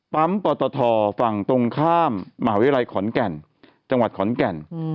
ปอตทฝั่งตรงข้ามมหาวิทยาลัยขอนแก่นจังหวัดขอนแก่น